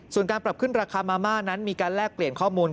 ส่วนการปรับขึ้นราคามาม่านั้นมีการแลกเปลี่ยนข้อมูล